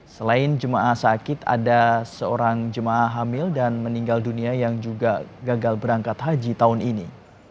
selain jemaah sakit ada seorang jemaah hamil dan meninggal dunia yang juga gagal berangkat haji tahun ini